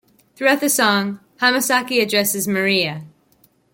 Throughout the song, Hamasaki addresses "Maria".